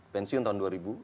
pensiun tahun dua ribu